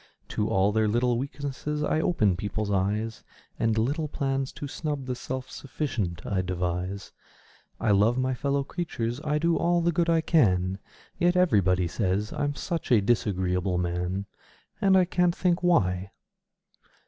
To all their little weaknesses I open people's eyes And little plans to snub the self sufficient I devise; I love my fellow creatures I do all the good I can Yet everybody say I'm such a disagreeable man! And I can't think why!